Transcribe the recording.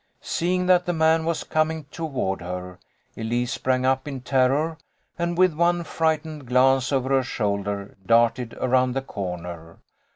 Seeing that the man was coming toward her, Elise sprang up in terror, and with one frightened glance over her shoulder, darted around the corner.